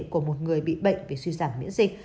của một người bị bệnh về suy giảm miễn dịch